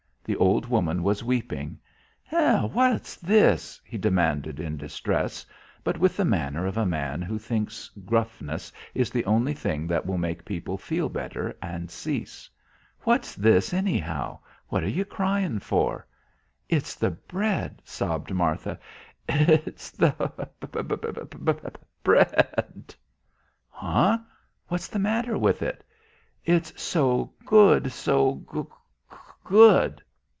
The old woman was weeping. "Hey, what's this?" he demanded in distress, but with the manner of a man who thinks gruffness is the only thing that will make people feel better and cease. "What's this anyhow? What are you cryin' for?" "It's the bread," sobbed Martha. "It's the the br e a ddd." "Huh? What's the matter with it?" "It's so good, so g good."